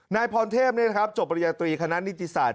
นายพรณเทพเนี่ยครับจบปริญญาตรีคณะนิจศาสตร์